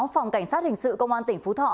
phòng cảnh sát hình sự công an tỉnh phú thọ